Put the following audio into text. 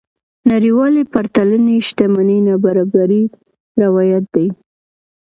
نړيوالې پرتلنې شتمنۍ نابرابرۍ روايت دي.